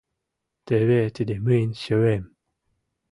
— Теве тиде мыйын сӧем.